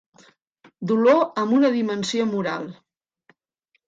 Dolor amb una dimensió moral.